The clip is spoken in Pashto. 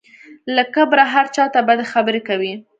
له کبره هر چا ته بدې خبرې کوي.